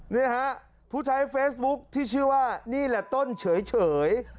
นี่ฮะผู้ใช้เฟซบุ๊คที่ชื่อว่านี่แหละต้นเฉย